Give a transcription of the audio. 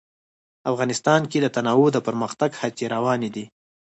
افغانستان کې د تنوع د پرمختګ هڅې روانې دي.